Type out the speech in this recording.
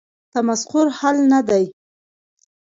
تمسخر حل نه دی.